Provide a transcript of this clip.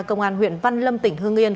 công an huyện văn lâm tỉnh hương yên